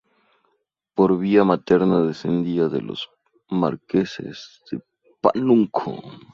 Por vía materna descendía de los marqueses de Pánuco.